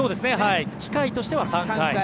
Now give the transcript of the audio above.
機会としては３回。